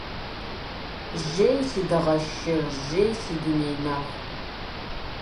Жей, си дыгъэ шыр, жей, си дуней нэху.